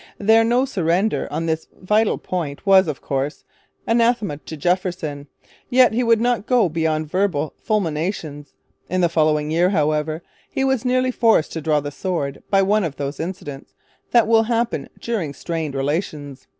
Their 'no surrender' on this vital point was, of course, anathema to Jefferson. Yet he would not go beyond verbal fulminations. In the following year, however, he was nearly forced to draw the sword by one of those incidents that will happen during strained relations.